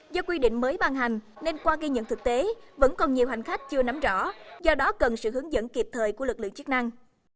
do quy định mới ban hành nên qua ghi nhận thực tế vẫn còn nhiều hành khách chưa nắm rõ do đó cần sự hướng dẫn kịp thời của lực lượng chức năng